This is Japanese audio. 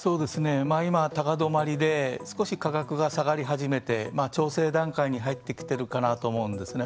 今、高止まりで少し価格が下がり始めて調整段階に入ってきてるかなと思うんですね。